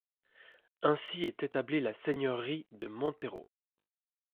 Ainsi est établie la seigneurie de Montereau.